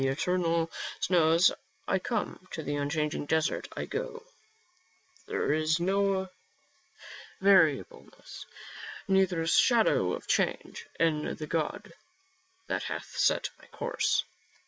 21 eternal snows I come, to the unchanging desert I go : there is no variableness, neither shadow of change in the God that hath set my course."